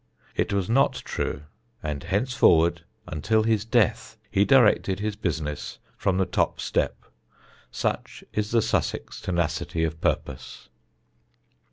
It was not true and henceforward, until his death, he directed his business from the top step such is the Sussex tenacity of purpose.